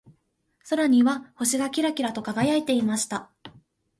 空には星がキラキラと輝いていました。